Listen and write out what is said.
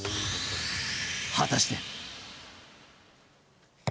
果たして。